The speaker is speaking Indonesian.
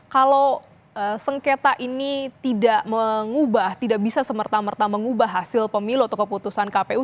kalau sengketa ini tidak mengubah tidak bisa semerta merta mengubah hasil pemilu atau keputusan kpu